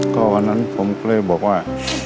ก็วันนั้นผมก็เลยบอกว่า